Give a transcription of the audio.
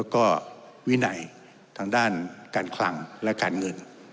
แล้วก็วินัยทางด้านการคลังและการเงิน